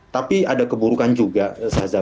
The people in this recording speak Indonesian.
tapi ada keburukan juga saza